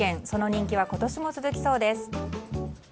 その人気は今年も続きそうです。